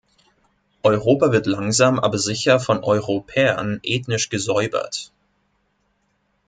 Europa wird langsam aber sicher von Europäern ethnisch gesäubert.